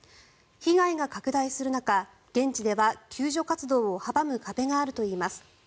被害が拡大する中現地では救助活動を阻む壁があるといいます。